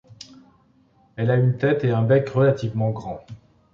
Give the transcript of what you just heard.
Elle a une tête et un bec relativement grands.